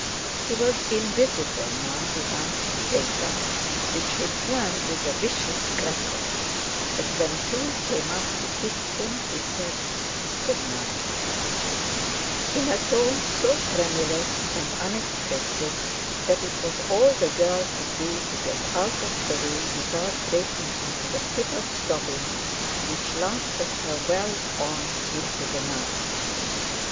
He was invisible now behind his paper, which he turned with a vicious crackle; but when June came up to kiss him, he said: "Good night, my darling," in a tone so tremulous and unexpected, that it was all the girl could do to get out of the room without breaking into the fit of sobbing which lasted her well on into the night.